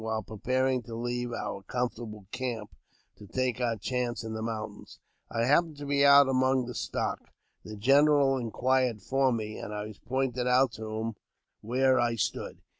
While preparing to leave our comfortable camp to take our chance in the mountains, I happening to be out among the stock, the general inquired for me, and I was pointed out to him where I stood.